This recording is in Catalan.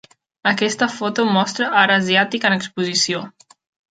Aquesta foto mostra art asiàtic en exposició.